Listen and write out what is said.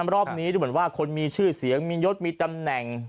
รอบนี้ดูเหมือนว่าคนมีชื่อเสียงมียศมีตำแหน่ง